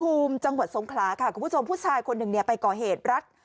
ภูมิจังหวัดสงขลาค่ะคุณผู้ชมผู้ชายคนหนึ่งเนี่ยไปก่อเหตุรัด